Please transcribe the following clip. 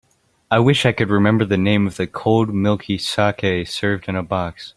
I wish I could remember the name of the cold milky saké served in a box.